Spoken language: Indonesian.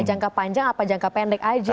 jangka panjang apa jangka pendek aja